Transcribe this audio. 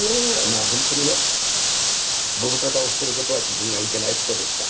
まあ本当にねご無沙汰をしている事は自分がいけない事でした。